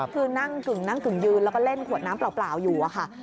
คือนั่งกึ่งนั่งกึ่งยืนแล้วก็เล่นขวดน้ำเปล่าอยู่อะค่ะ